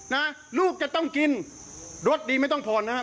นะลูกจะต้องกินรสดีไม่ต้องผ่อนนะครับ